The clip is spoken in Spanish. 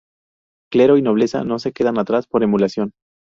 Clero y nobleza no se quedan atrás por emulación.